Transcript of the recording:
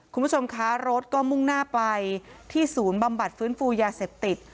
คุณผู้ชมคะรถก็มุ่งหน้าไปที่ศูนย์บำบัดฟื้นฟูยาเสพติด